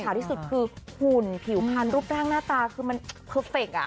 อิฉาที่สุดคือหุ่นผิวพันธ์รูปร่างหน้าตาเครอฟเฟค